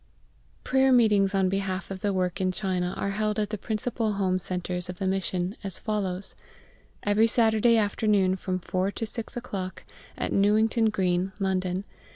Prayer meetings on behalf of the work in China are held at the principal home centres of the Mission, as follows: Every Saturday afternoon from 4 to 6 o'clock, at Newington Green, London.